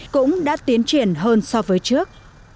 cũng đã tiến triển hơn so với trước